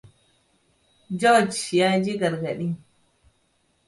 Gearge ya ji gargaɗin.